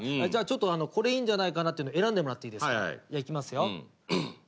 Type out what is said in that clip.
じゃあちょっとこれいいんじゃないかなっていうの選んでもらっていいですか。